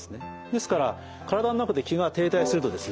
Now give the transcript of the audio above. ですから体の中で気が停滞するとですね。